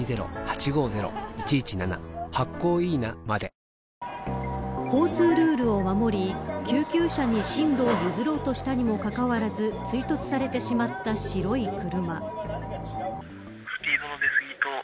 いつもを幸せに ＬＩＸＩＬ交通ルールを守り救急車に進路を譲ろうとしたにもかかわらず追突されてしまった白い車。